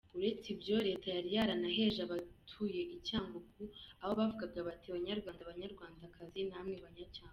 Uretse ibyo, leta yari yaranaheje abatuye Cyangugu, aho bavugaga bati ‘banyarwanda banyarwandakazi namwe banyacyangugu.